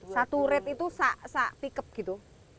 satu red itu seperti tiket gitu